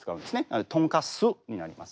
なので「とんかす」になります。